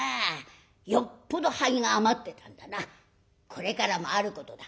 これからもあることだ。